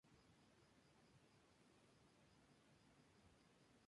Algunos obuses fueron equipados con un cañón de campaña durante la guerra.